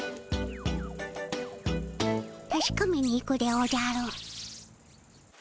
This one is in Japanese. たしかめに行くでおじゃる。